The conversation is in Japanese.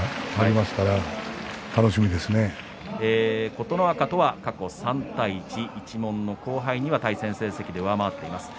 琴ノ若とは過去３対１一門の後輩には対戦成績で上回っています。